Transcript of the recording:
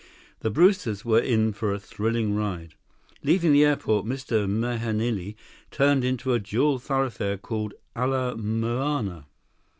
The Brewsters were in for a thrilling ride. Leaving the airport, Mr. Mahenili turned onto a dual thoroughfare called Ala Moana.